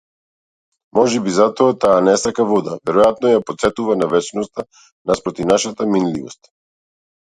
Можеби затоа таа не сака вода, веројатно ја потсетува на вечност наспроти нашата минливост.